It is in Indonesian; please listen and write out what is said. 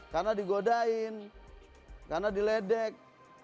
karena digodain karena diledek